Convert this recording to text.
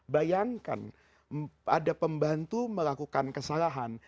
bayangkan ada pembantu melakukan kesalahan